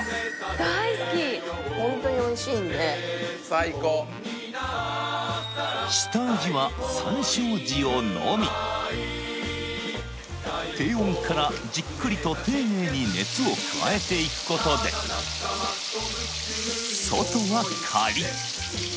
大好きホントにおいしいんで最高低温からじっくりと丁寧に熱を加えていくことで外はカリッ！